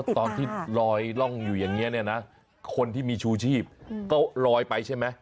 ตอนที่ลอยร่องอยู่อย่างนี้เนี่ยนะคนที่มีชูชีพก็ลอยไปใช่ไหม